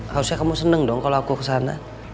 harusnya kamu seneng dong kalau aku kesana